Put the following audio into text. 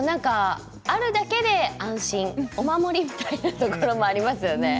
あるだけで安心、お守りみたいなところもありますよね。